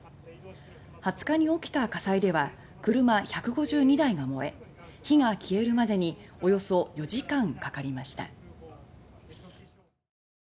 ２０日に起きた火災では車１５２台が燃え火が消えるまでにおよそ４時間かかりました。